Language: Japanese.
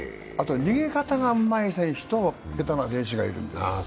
逃げ方がうまい選手と下手な選手がいるんです。